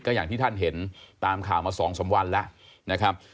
ก็อย่างที่ท่านเห็นตามข่าวมาสองสมวันแล้ว